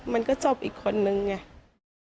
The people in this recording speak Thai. มันก็จบอีกคนนึงไง